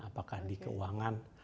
apakah di keuangan